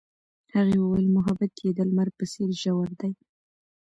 هغې وویل محبت یې د لمر په څېر ژور دی.